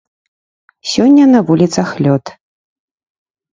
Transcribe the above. Сёння на вуліцах лёд.